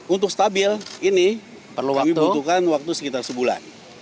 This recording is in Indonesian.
untuk stabil ini kami butuhkan waktu sekitar sebulan